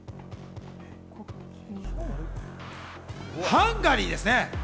ハンガリーです。